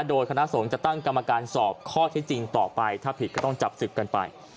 โดยคณะสงฆ์จะตั้งกรรมการสอบข้อที่จริงต่อไปถ้าผิดก็ต้องจับศึกกันไป